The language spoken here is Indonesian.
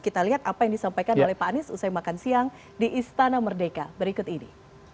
kita lihat apa yang disampaikan oleh pak anies usai makan siang di istana merdeka berikut ini